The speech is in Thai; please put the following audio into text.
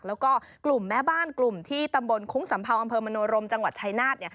แล้วก็กลุ่มแม่บ้านกลุ่มที่ตำบลคุ้งสัมเภาอำเภอมโนรมจังหวัดชายนาฏ